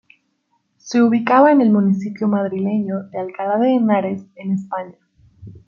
Se ubicaba en el municipio madrileño de Alcalá de Henares, en España.